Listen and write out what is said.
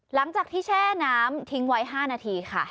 หลังจากที่แช่น้ำทิ้งไว้๕นาทีค่ะ